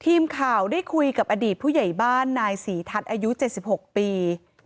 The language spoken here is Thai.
ทีมข่าวได้คุยกับอดีตผู้ใหญ่บ้านนายศรีทัศน์อายุ๗๖ปี